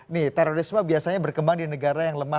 nih terorisme biasanya berkembang di negara yang lemah